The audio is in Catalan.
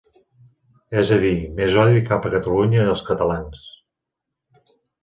És a dir, més odi cap a Catalunya i els catalans.